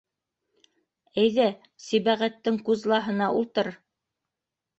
Әйҙә, Сибәғәттең кузлаһына ултыр.